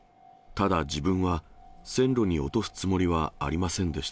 ただ、自分は線路に落とすつもりはありませんでした。